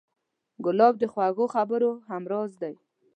ګلاب د خوږو خبرو همراز دی.